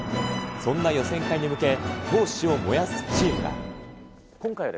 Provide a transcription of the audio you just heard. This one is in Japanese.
そんな予選会に向け、闘志を燃やすチームは。